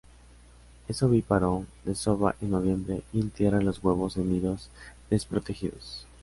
Es ovíparo, desova en noviembre y entierra los huevos en nidos desprotegidos.